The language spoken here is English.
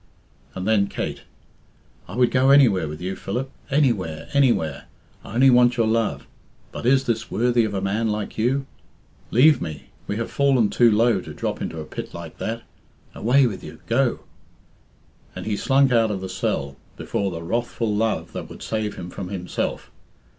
And then Kate "I would go anywhere with you, Philip, anywhere, anywhere. I only want your love. But is this worthy of a man like you? Leave me. We have fallen too low to drop into a pit like that. Away with you! Go!" And he slunk out of the cell, before the wrathful love that would save him from himself.